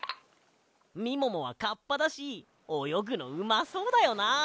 みももはカッパだしおよぐのうまそうだよな！